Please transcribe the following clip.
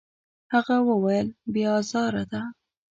هغه وویل: «بې ازاره ده.»